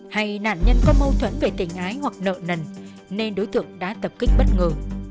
hay nạn nhân có mâu thuẫn về tình ái hoặc nợ nần nên đối tượng đã tập kích bất ngờ